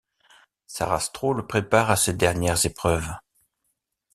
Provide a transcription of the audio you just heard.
Sarastro le prépare à ses dernières épreuves.